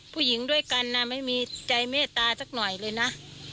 ผู้หญิงด้วยกันนะไม่มีใจเมตตาสักหน่อยเลยนะ